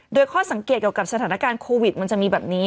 โดยข้อสังเกตเกี่ยวกับสถานการณ์โควิดมันจะมีแบบนี้